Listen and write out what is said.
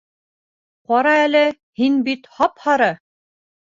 Ҡара әле, һин бит һап-һары!